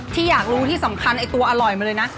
ที่อยากรู้ที่สำคัญไอ้ตัวอร่อยมาเลยนะ